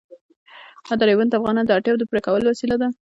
دریابونه د افغانانو د اړتیاوو د پوره کولو وسیله ده.